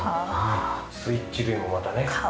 スイッチ類もまたね。